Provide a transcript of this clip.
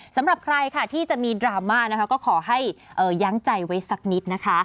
สำหรับใครค่ะที่จะมีดราม่านะคะก็ขอให้ยั้งใจไว้สักนิดนะคะ